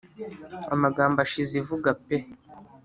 amagambo ashize ivuga pe